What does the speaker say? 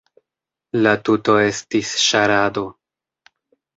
La tuto estis ŝarado.